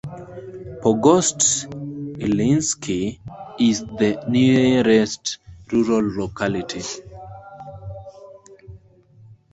Pogost Ilyinsky is the nearest rural locality.